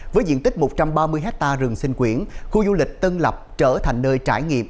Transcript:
với diện tích một trăm ba mươi hectare rừng sinh quyển khu du lịch tân lập trở thành nơi trải nghiệm